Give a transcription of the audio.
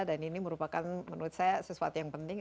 dan ini merupakan menurut saya sesuatu yang penting